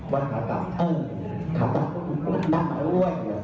วันอากาศเอิ่มขาดตัดนั่งมาด้วย